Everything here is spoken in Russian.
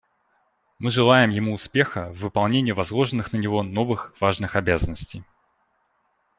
Мы желаем ему успеха в выполнении возложенных на него новых, важных обязанностей.